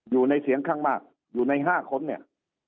อยู่ในเสียงข้างมากอยู่ใน๕คนเนี่ย